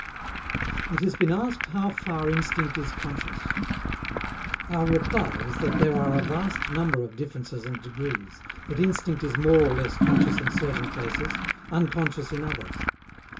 It has been asked how far instinct is conscious. Our reply is that there are a vast number of differences and degrees, that instinct is more or less conscious in certain cases, unconscious in others.